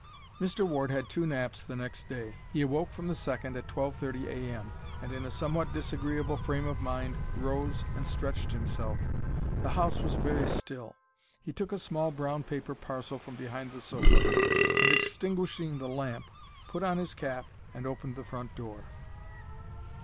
Mr. Ward had two naps the next day. He awoke from the second at twelve thirty a.m., and in a somewhat disagreeable frame of mind rose and stretched himself. The house was very still. He took a small brown paper parcel from behind the sofa and, extinguishing the lamp, put on his cap and opened the front door.